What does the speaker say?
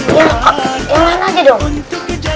ya yang mana aja dong